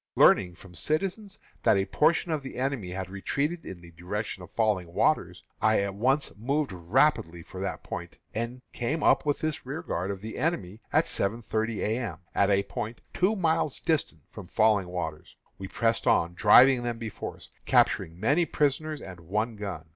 Learning from citizens that a portion of the enemy had retreated in the direction of Falling Waters, I at once moved rapidly for that point, and came up with this rearguard of the enemy at seven thirty A. M., at a point two miles distant from Falling Waters. We pressed on, driving them before us, capturing many prisoners and one gun.